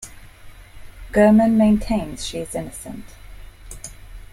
Girman maintains she is innocent.